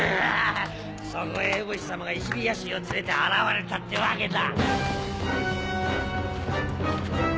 そこへエボシ様が石火矢衆を連れて現れたってわけだ。